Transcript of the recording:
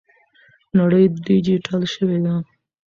نړۍ ډیجیټل شوې ده.